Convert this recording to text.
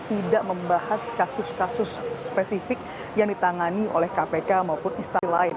tidak membahas kasus kasus spesifik yang ditangani oleh kpk maupun istana lain